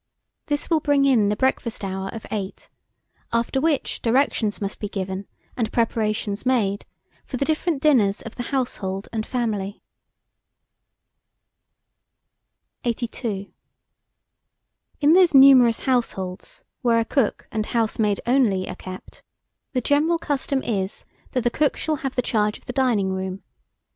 This will bring in the breakfast hour of eight, after which, directions must be given, and preparations made, for the different dinners of the household and family. 82. IN THOSE NUMEROUS HOUSEHOLDS where a cook and housemaid are only kept, the general custom is, that the cook should have the charge of the dining room.